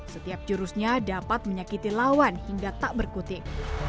setiap jurusnya dapat menyakiti lawan hingga tak berkutik